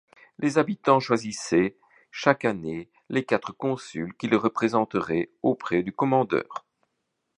Les habitants choisissaient chaque année les quatre consuls qui les représenteraient auprès du Commandeur.